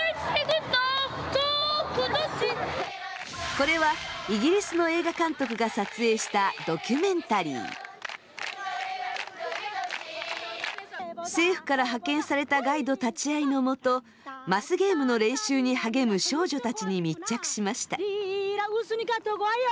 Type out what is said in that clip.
これは政府から派遣されたガイド立ち会いのもとマスゲームの練習に励む少女たちに密着しました。